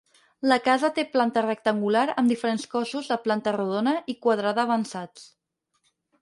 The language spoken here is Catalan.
La casa té planta rectangular amb diferents cossos de planta rodona i quadrada avançats.